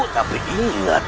tapi ingat nger prabu